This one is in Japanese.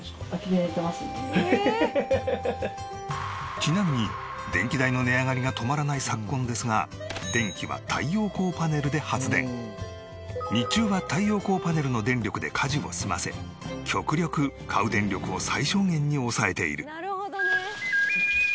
ちなみに電気代の値上がりが止まらない昨今ですが電気は日中は太陽光パネルの電力で家事を済ませ極力買う電力を最小限に抑えている。